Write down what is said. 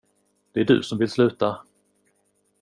Det är du som vill sluta.